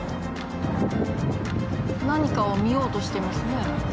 何かを見ようとしてますね。